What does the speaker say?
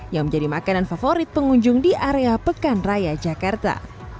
yang menjadi makanan favorit pengunjung di area pekan raya jakarta